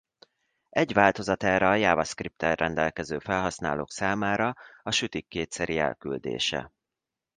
Egy változat erre a JavaScripttel rendelkező felhasználók számára a sütik kétszeri elküldése.